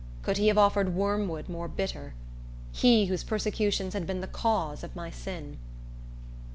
Could he have offered wormwood more bitter? He, whose persecutions had been the cause of my sin!